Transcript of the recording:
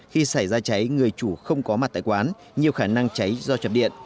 khi xảy ra cháy người chủ không có mặt tại quán nhiều khả năng cháy do chập điện